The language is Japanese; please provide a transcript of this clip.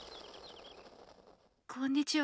こんにちは。